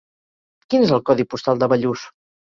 Quin és el codi postal de Bellús?